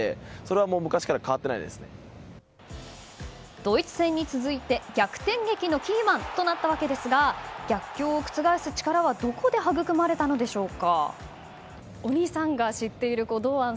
ドイツ戦に続いて逆転劇のキーマンとなったわけですが逆境を覆す力はどこで育まれたのでしょうか。